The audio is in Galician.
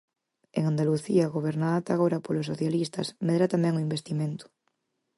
En Andalucía, gobernada ata agora polos socialistas, medra tamén o investimento.